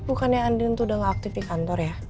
bukannya andin tuh udah gak aktif di kantor ya